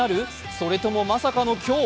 それともまさかの今日？